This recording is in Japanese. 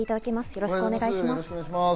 よろしくお願いします。